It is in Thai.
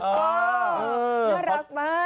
น่ารักมาก